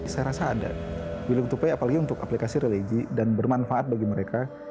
saya rasa ada will to pay apalagi untuk aplikasi religi dan bermanfaat bagi mereka